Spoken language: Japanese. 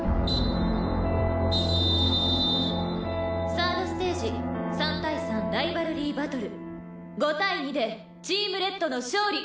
「３ｒｄステージ３対３ライバルリー・バトル」「５対２でチームレッドの勝利」